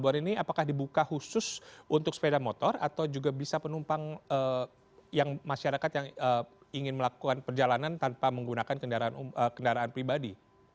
pelabuhan ini apakah dibuka khusus untuk sepeda motor atau juga bisa penumpang yang masyarakat yang ingin melakukan perjalanan tanpa menggunakan kendaraan pribadi